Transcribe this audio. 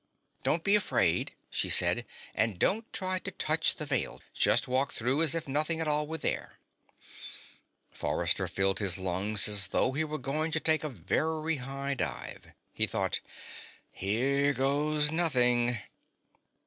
"Don't be afraid," she said. "And don't try to touch the Veil. Just walk through as if nothing at all were there." Forrester filled his lungs as though he were going to take a very high dive. He thought: Here goes nothing.